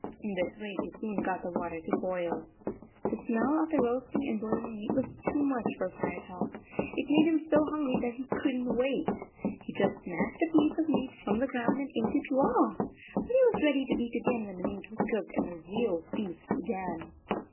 In this way they soon got the water to boil. The smell of the roasting and boiling meat was too much for Firetop. It made him so hungry that he couldn t wait. He just snatched a piece of meat from the ground and ate it raw! But he was ready to eat again when the meat was cooked and the real feast began.